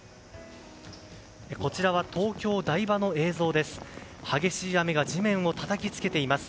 こちらは東京・台場の映像です。